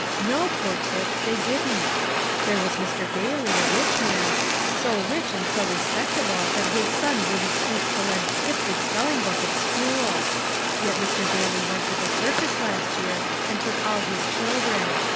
No, poor Tip, they didn't; there was Mr. Bailey, a rich man, so rich and so respectable that his son wouldn't stoop to lend Tip his spelling book at school, yet Mr. Bailey went to the circus last year and took all his children.